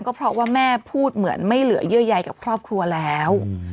ก็เพราะว่าแม่พูดเหมือนไม่เหลือเยื่อใยกับครอบครัวแล้ว